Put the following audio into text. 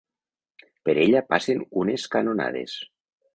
Per ella passen unes canonades.